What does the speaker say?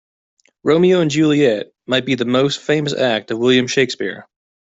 Romeo and Juliet might be the most famous act of William Shakespeare.